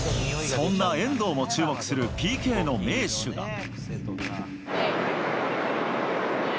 そんな遠藤も注目するＰＫの名手が。